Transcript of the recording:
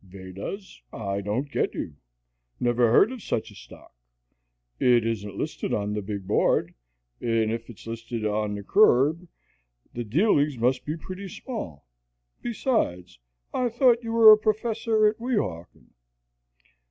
"Vedas? I don't get you. Never heard of such a stock. It isn't listed on the big board, and if it's traded in on the Curb, the dealings must be pretty small. Besides, I thought you were a professor at Weehawken."